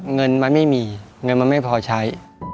เงินมันไม่มีเงินมันไม่พอใช้